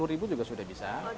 dari sepuluh juga sudah bisa